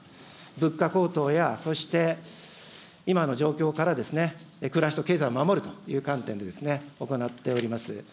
物価高騰やそして、今の状況から、暮らしと経済を守るという観点で、行っております。